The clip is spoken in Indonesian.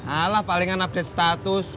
alah palingan update status